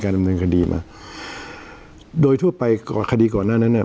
ดำเนินคดีมาโดยทั่วไปคดีก่อนหน้านั้นอ่ะ